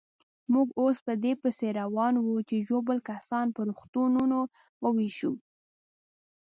موږ اوس په دې پسې روان وو چې ژوبل کسان پر روغتونو وېشو.